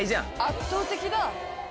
圧倒的だ。